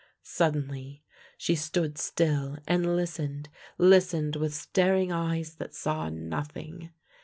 " Suddenly she stood still and listened — listened with staring eyes that saw nothing.